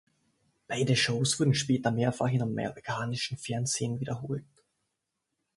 Beide Shows wurden später mehrfach im amerikanischen Fernsehen wiederholt.